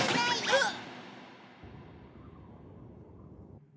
うっ！